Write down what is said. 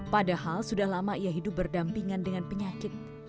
padahal sudah lama ia hidup berdampingan dengan penyakit